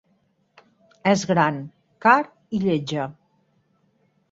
És gran, car, i lletja.